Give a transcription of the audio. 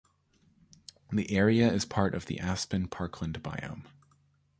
The area is part of the aspen parkland biome.